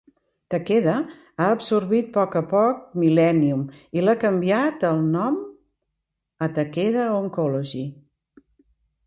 Takeda ha absorbit a poc a poc Millennium i l'ha canviat el nom a Takeda Oncology.